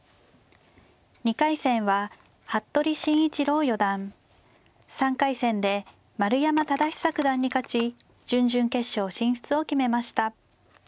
２回戦は服部慎一郎四段３回戦で丸山忠久九段に勝ち準々決勝進出を決めました。